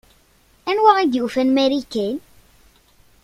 Anwa i d-yufan Marikan?